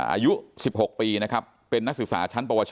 อายุ๑๖ปีนะครับเป็นนักศึกษาชั้นปวช